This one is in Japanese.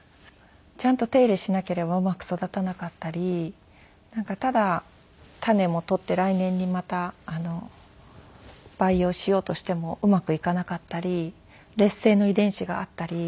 ちゃんと手入れしなければうまく育たなかったりただ種も取って来年にまた培養しようとしてもうまくいかなかったり劣勢の遺伝子があったり。